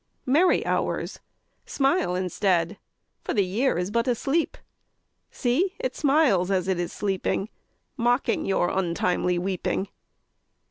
Merry Hours, smile instead, For the Year is but asleep. See, it smiles as it is sleeping, _5 Mocking your untimely weeping.